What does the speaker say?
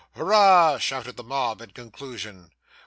'Hurrah!' shouted the mob, in conclusion.